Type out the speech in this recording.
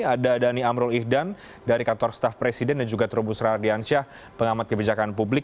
ada dhani amrul ihdan dari kantor staff presiden dan juga terubus radiansyah pengamat kebijakan publik